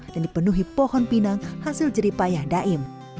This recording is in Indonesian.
dipenuhi pohon pinang hasil jeripayah daim